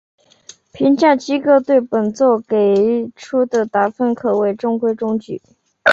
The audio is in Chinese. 评价机构对本作给出的打分可谓中规中矩。